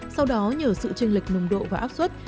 sau đó nhờ sự trình lịch nồng độ và áp suất